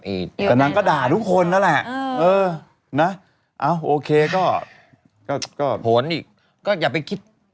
แต่นางก็ด่าทุกคนนั่นแหละเออนะโอเคก็ก็ผลอีกก็อย่าไปคิด